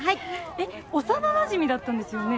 えっ幼なじみだったんですよね？